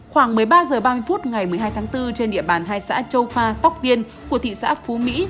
khoảng một mươi ba h ba mươi phút ngày một mươi hai tháng bốn trên địa bàn hai xã châu pha tóc tiên của thị xã phú mỹ